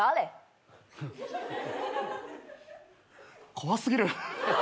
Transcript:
怖すぎる。